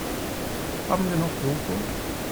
Haben wir noch Joghurt?